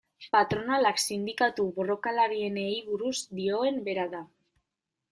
Patronalak sindikatu borrokalarienei buruz dioen bera da.